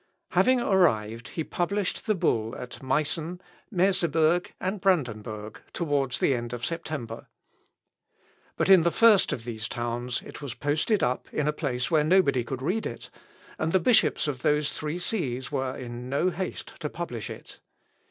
Having arrived he published the bull at Meissen, Merseburg, and Brandenburg towards the end of September. But in the first of these towns it was posted up in a place where nobody could read it; and the bishops of those three sees were in no haste to publish it.